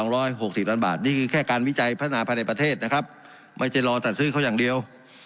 รวมทั้งหมดกับเงินดับแค่การวิจัยพัฒนาภัณฑ์ในประเทศไม่รอตัดซื้อเขาอย่างเดียว